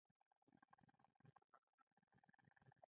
خوشحال بابا دهيچا پروا هم نه درلوده